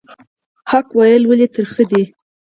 حق ویل ولې ترخه دي؟